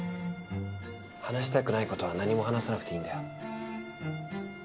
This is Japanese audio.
話したくない事は何も話さなくていいんだよ。